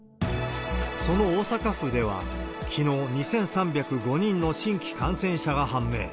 その大阪府では、きのう、２３０５人の新規感染者が判明。